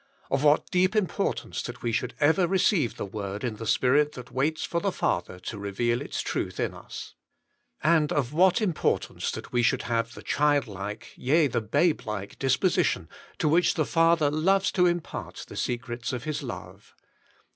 Of what deep importance that we should ever receive the Word in the Spirit that waits for the Father to reveal its truth in us. And of what importance that we should have the child like, yea the babe like dispo sition to which the Father loves to impart the secrets of His love.